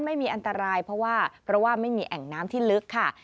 ไม่มีอันตรายเพราะว่าเพราะว่าไม่มีแอ่งน้ำที่ลึกค่ะ